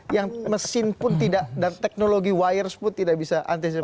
yang mesin pun tidak dan teknologi wires pun tidak bisa antisipasi